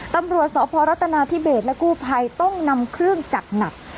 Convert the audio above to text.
ตำรวจสพรัฐนาธิเบสและกู้ภัยต้องนำเครื่องจักรหนัก